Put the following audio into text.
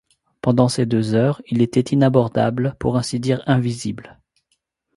Pendant ces deux heures, il était inabordable, pour ainsi dire invisible.